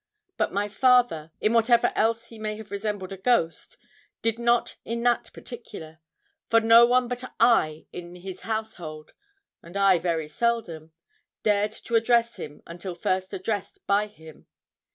But my father, in whatever else he may have resembled a ghost, did not in that particular; for no one but I in his household and I very seldom dared to address him until first addressed by him.